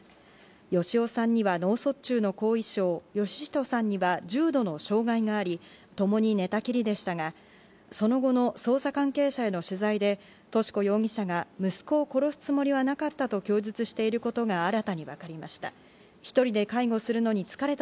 芳男さんには脳卒中の後遺症、芳人さんには重度の障害があり、ともに寝たきりでしたが、その後の捜査関係者への取材で、とし子容疑者が息子を殺すつもりはなかったと供述していることが新たに分かりました。